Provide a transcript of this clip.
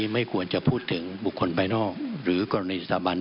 ไม่ควรจะพูดถึงบุคคลภายนอกหรือกรณีสถาบัน